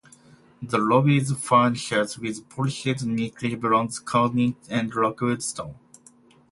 The lobby is furnished with polished nickel-bronze cornices and rockwood stone.